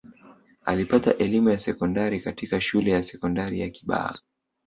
alipata elimu ya sekondari katika shule ya sekondari ya kibaha